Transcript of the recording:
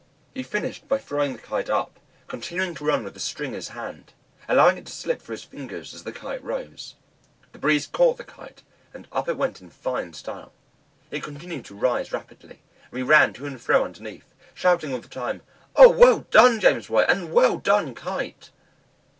He finished by throwing the Kite up, continuing to run with the string in his hand, allowing it to slip through his fingers as the Kite rose. The breeze caught the Kite, and up it went in fine style. It continued to rise rapidly, and we ran to and fro underneath, shouting all the time, "O, well done, James White, and well done, Kite!"